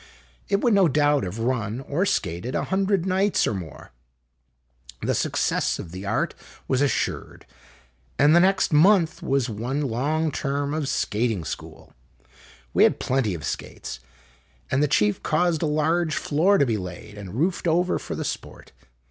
It would no doubt have run (or skated) a hundred nights or more. The success of the art was assured, and the next month was one long term of skating school. We had plenty of skates, and the chief caused a large floor to be laid and roofed over for the sport.